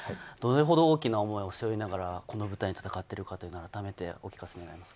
どれほど大きな思いを背負いながら、この舞台で戦っているかというのをお聞かせください。